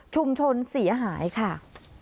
ชุมชนเสียหายค่ะ